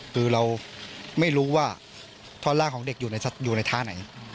คือเราไม่รู้ว่าท่อนล่างของเด็กอยู่ในท่าไหน